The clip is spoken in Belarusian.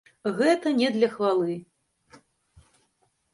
Гэта не для хвалы.